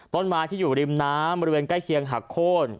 ต้นไม้ที่อยู่ริมน้ำบริเวณใกล้เคียงหักโค้น